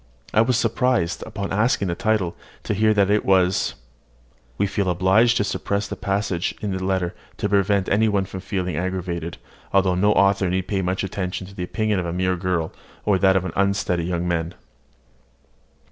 I was surprised, upon asking the title, to hear that it was ____. (We feel obliged to suppress the passage in the letter, to prevent any one from feeling aggrieved; although no author need pay much attention to the opinion of a mere girl, or that of an unsteady young man.)